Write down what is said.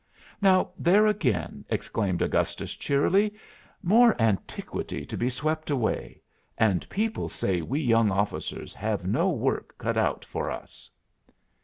"Now there again!" exclaimed Augustus, cheerily. "More antiquity to be swept away! And people say we young officers have no work cut out for us!"